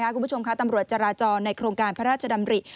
คุณผู้ชมค่ะตำรวจจราจรในโครงการพระราชดำริ